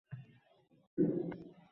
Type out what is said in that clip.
Bularni eslaysanmi?